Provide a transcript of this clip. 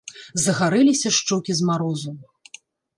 Загарэліся шчокі з марозу.